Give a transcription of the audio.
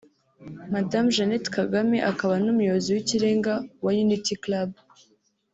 Madamu Jeannette Kagame akaba n’Umuyobozi w’ikirenga wa Unity Club